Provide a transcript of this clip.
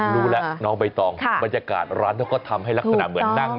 รู้แล้วน้องใบตองบรรยากาศร้านเขาก็ทำให้ลักษณะเหมือนนั่ง